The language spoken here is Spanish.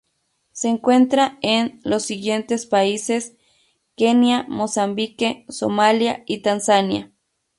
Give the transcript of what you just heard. Se encuentra en en los siguientes países: Kenia, Mozambique, Somalia y Tanzania.